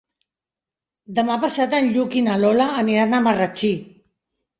Demà passat en Lluc i na Lola aniran a Marratxí.